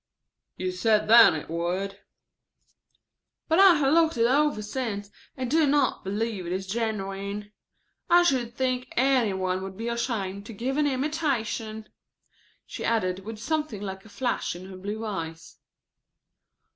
"You said then it would." "But I have looked it over since and do not believe it is genuine. I should think any one would be ashamed to give an imitation," she added with something like a flash in her blue eyes.